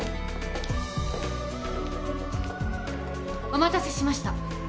お待たせしました。